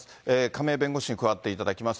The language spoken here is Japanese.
亀井弁護士に加わっていただきます。